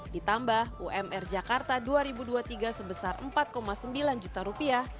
ditambah umr jakarta dua ribu dua puluh tiga sebesar empat sembilan juta rupiah